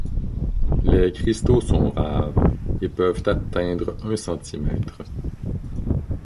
Les cristaux sont rares et peuvent atteindre un centimètre.